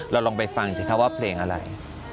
ลองไปฟังสิคะว่าเพลงอะไร